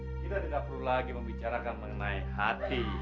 kita tidak perlu lagi membicarakan mengenai hati